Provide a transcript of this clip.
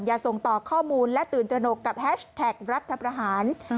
อย่าส่งต่อข้อมูลและตื่นตระหนกกับแฮชแท็กรัฐประหาร